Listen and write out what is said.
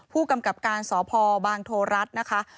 ผู้กำกับการสพบางโทรัฐนะคะ